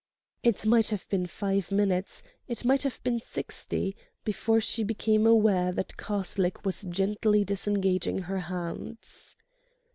It might have been five minutes, it might have been sixty, before she became aware that Karslake was gently disengaging her hands.